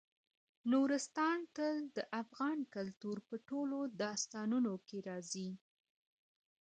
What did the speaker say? نورستان تل د افغان کلتور په ټولو داستانونو کې راځي.